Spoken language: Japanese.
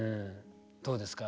どうですか？